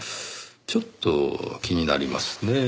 ちょっと気になりますねぇ。